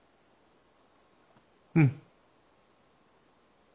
うん。